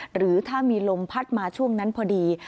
หรือถ้ามีลมพัดมาช่วงนั้นพอดี